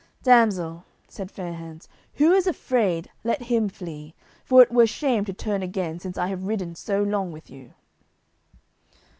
"Damsel," said Fair hands, "who is afraid let him flee, for it were shame to turn again since I have ridden so long with you."